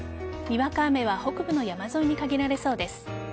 にわか雨は北部の山沿いに限られそうです。